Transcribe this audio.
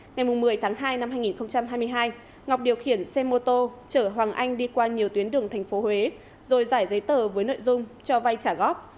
ngày một mươi tháng hai năm hai nghìn hai mươi hai ngọc điều khiển xe mô tô chở hoàng anh đi qua nhiều tuyến đường tp huế rồi giải giấy tờ với nội dung cho vay trả góp